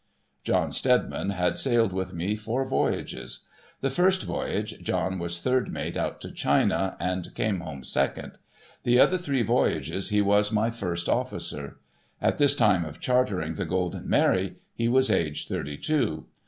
John Steadiman had sailed with me four voyages. The first voyage John was third mate out to China, and came home second. The other three voyages he was my first ofticer. At this time of chartering the Golden Mary, he was aged thirty two.